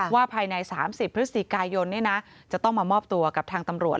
ภายใน๓๐พฤศจิกายนจะต้องมามอบตัวกับทางตำรวจ